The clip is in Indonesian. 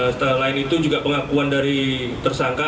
setelah lain itu juga pengakuan dari tersangka